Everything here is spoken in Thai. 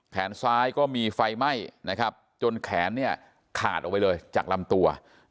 แขนซ้ายก็มีไฟไหม้จนแขนขาดออกไปเลยจากลำตัว